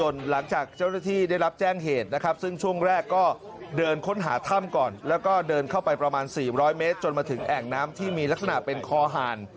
แล้วถึงแอ่งน้ำที่มีลักษณะเป็นคอหาร